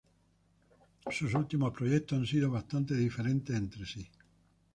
Sus últimos proyectos han sido bastante diferentes entre sí.